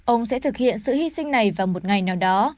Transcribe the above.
ông sẽ thực hiện sự hy sinh này vào một ngày nào đó